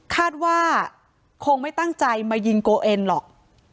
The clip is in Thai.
คาดว่าคงไม่ตั้งใจมายิงโกเอ็นหรอก